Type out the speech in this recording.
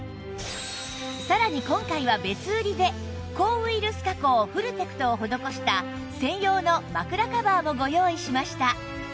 さらに今回は別売りで抗ウイルス加工フルテクトを施した専用の枕カバーもご用意しました